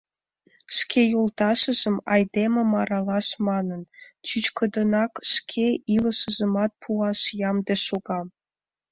Шке йолташыжым — айдемым — аралаш манын, чӱчкыдынак шке илышыжымат пуаш ямде шога.